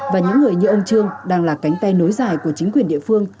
và những người như ông trương đang là cánh tay nối dài của chính quyền địa phương